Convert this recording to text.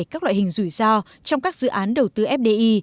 các loại hình rủi ro trong các dự án đầu tư fdi